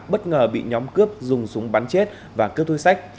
bất ngờ bị nhóm cướp dùng súng bắn chết và cướp túi sách